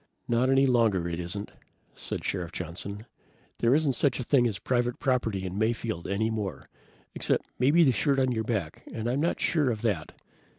"Not any longer it isn't," said Sheriff Johnson. "There isn't such a thing as private property in Mayfield, any more. Except maybe the shirt on your back, and I'm not sure of that.